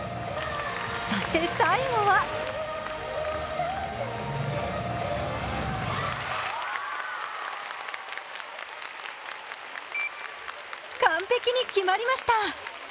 そして最後は完璧に決まりました！